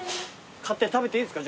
買って食べていいですか？